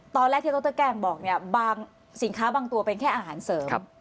ตอนแรกที่ดรแกล้งบอกเนี่ยบางสินค้าบางตัวเป็นแค่อาหารเสริม